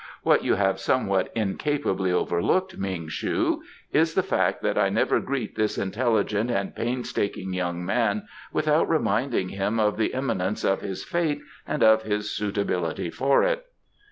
"What you have somewhat incapably overlooked, Ming shu, is the fact that I never greet this intelligent and painstaking young man without reminding him of the imminence of his fate and of his suitability for it."